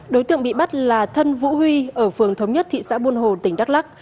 đối tượng bị bắt là thân vũ huy ở phường thống nhất thị xã buôn hồ tỉnh đắk lắc